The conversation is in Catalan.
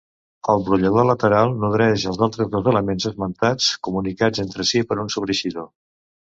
El brollador lateral nodreix els altres dos elements esmentats, comunicats entre si per un sobreeixidor.